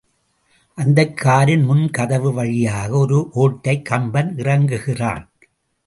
அந்தக் காரின் முன்கதவு வழியாக ஒரு ஒட்டடைக் கம்பன் இறங்குகிறான்.